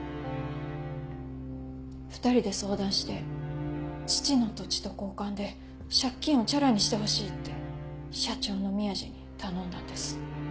２人で相談して父の土地と交換で借金をチャラにしてほしいって社長の宮地に頼んだんです。